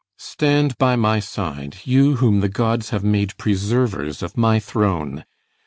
Stand by my side, you whom the gods have made Preservers of my throne.